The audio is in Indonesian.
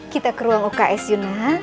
kita ke ruang oks yuna